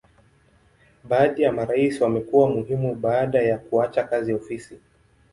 Baadhi ya marais wamekuwa muhimu baada ya kuacha kazi ofisi.